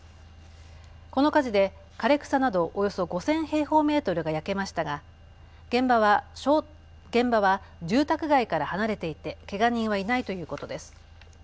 この火事で枯れ草などおよそ５０００平方メートルが焼けましたが現場は住宅街から離れていてけが人はいないということです。